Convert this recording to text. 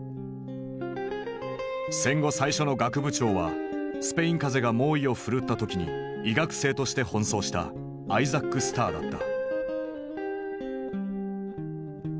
戦後最初の学部長はスペイン風邪が猛威を振るった時に医学生として奔走したアイザック・スターだった。